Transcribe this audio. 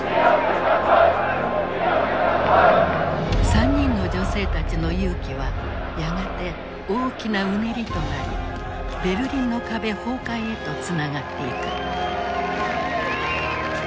３人の女性たちの勇気はやがて大きなうねりとなりベルリンの壁崩壊へとつながっていく。